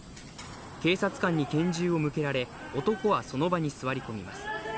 警察官に拳銃を向けられ、男はその場に座り込みます。